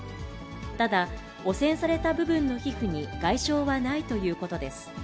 ただ、汚染された部分の皮膚に外傷はないということです。